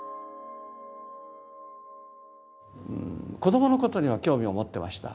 子どものことには興味を持ってました。